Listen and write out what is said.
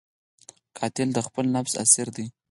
قاتل د خپل نفس اسیر دی